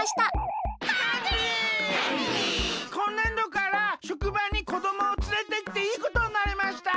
こんねんどからしょくばにこどもをつれてきていいことになりました。